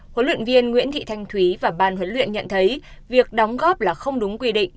huấn luyện viên nguyễn thị thanh thúy và ban huấn luyện nhận thấy việc đóng góp là không đúng quy định